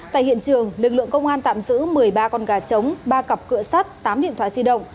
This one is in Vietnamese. tại hiện trường lực lượng công an tạm giữ một mươi ba con gà trống ba cặp cựa sắt tám điện thoại di động